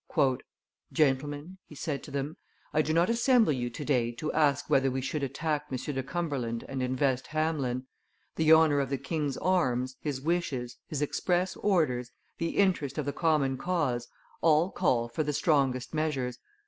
"Gentlemen," he said to them, "I do not assemble you to day to ask whether we should attack M. de Cumberland and invest Hameln. The honor of the king's arms, his wishes, his express orders, the interest of the common cause, all call for the strongest measures.